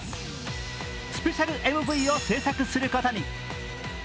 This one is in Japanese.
スペシャルＭＶを制作することに。